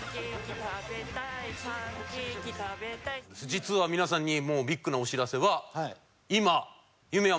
実は皆さんにもうビッグなお知らせは今。